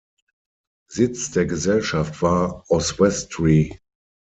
Sitz der Gesellschaft war Oswestry.